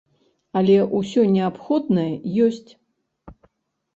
Але ўсё неабходнае ёсць.